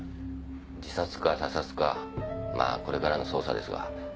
自殺か他殺かまぁこれからの捜査ですが。